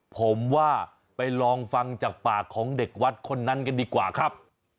ผมว่าไปลองฟังจากปากของเด็กวัดคนนั้นกันดีกว่าครับ